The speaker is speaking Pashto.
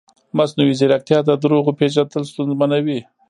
مصنوعي ځیرکتیا د دروغو پېژندل ستونزمنوي.